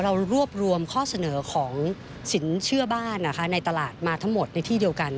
เรารวบรวมข้อเสนอของสินเชื่อบ้านนะคะในตลาดมาทั้งหมดในที่เดียวกัน